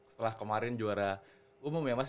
setelah kemarin juara umum ya mas